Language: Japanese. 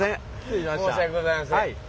申し訳ございません。